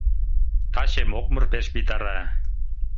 Таче мокмыр пеш витара.